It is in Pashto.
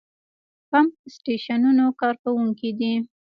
پمپ سټېشنونو کارکوونکي دي.